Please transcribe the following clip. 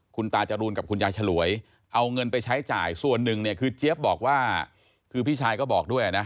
คุณตาจรูนกับคุณยายฉลวยเอาเงินไปใช้จ่ายส่วนหนึ่งเนี่ยคือเจี๊ยบบอกว่าคือพี่ชายก็บอกด้วยนะ